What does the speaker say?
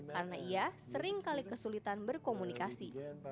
karena ia sering kali kesulitan berkomunikasi